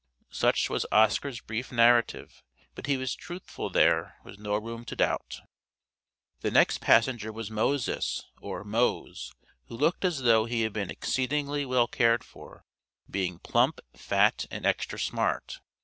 Such was Oscar's brief narrative; that he was truthful there was no room to doubt. The next passenger was MOSES or "Mose," who looked as though he had been exceedingly well cared for, being plump, fat, and extra smart.